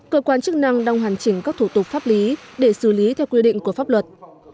cơ quan chức năng đang hoàn chỉnh các thủ tục pháp lý để xử lý theo quy định của pháp luật